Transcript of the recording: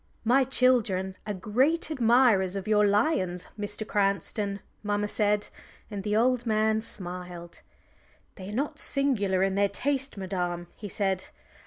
"My children are great admirers of your lions, Mr. Cranston," mamma said; and the old man smiled. "They are not singular in their taste, madam," he said.